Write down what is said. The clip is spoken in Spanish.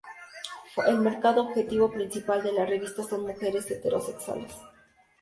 El mercado objetivo principal de la revista son mujeres heterosexuales.